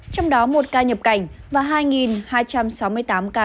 trong đó một ca nhập cảnh và hai hai trăm sáu mươi tám ca